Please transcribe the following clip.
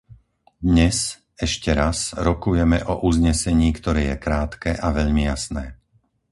Dnes, ešte raz, rokujeme o uznesení, ktoré je krátke a veľmi jasné.